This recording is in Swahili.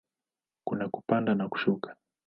Kuna kupanda na kushuka.